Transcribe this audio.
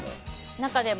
中でも。